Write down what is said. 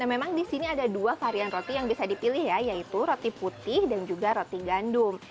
memang di sini ada dua varian roti yang bisa dipilih ya yaitu roti putih dan juga roti gandum